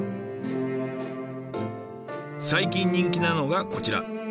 最近人気なのがこちら。